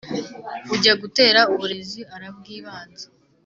Ujya gutera uburezi arabwibanza